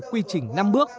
quy trình năm bước